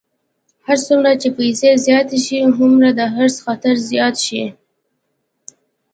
هر څومره چې پیسې زیاتې شي، هومره د حرص خطر زیاتېږي.